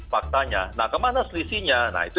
faktanya nah kemana selisihnya nah itu